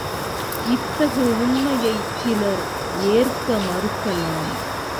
இத்தகு உண்மையைச் சிலர் ஏற்க மறுக்கலாம்.